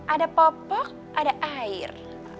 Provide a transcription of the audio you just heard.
ada popok ada air